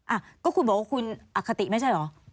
อ่ะก็คุณบอกว่าคุณอคติไม่ใช่เหรอ